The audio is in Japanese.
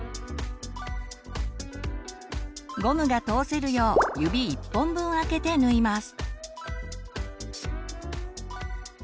ゴムが通せるよう指１本分空けて縫います。